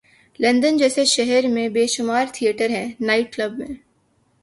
London جیسے شہرمیں بیشمار تھیٹر ہیں‘نائٹ کلب ہیں۔